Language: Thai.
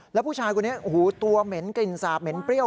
แล้วผู้ชายคนนี้โอ้โหตัวเหม็นกลิ่นสาบเหม็นเปรี้ยว